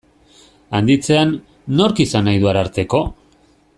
Handitzean, nork izan nahi du Ararteko?